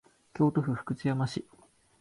京都府福知山市